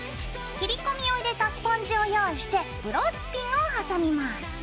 切り込みを入れたスポンジを用意してブローチピンをはさみます。